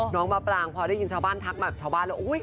น้องมาปรางพอได้ยินชาวบ้านทักมาแบบชาวบ้านเลย